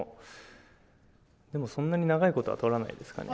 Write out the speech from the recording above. でも、そんなに長いことは取らないですかね。